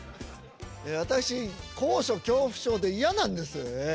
私高所恐怖症で嫌なんですええ。